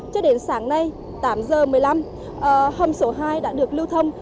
cho đến sáng nay tám giờ một mươi năm hầm số hai đã được lưu thông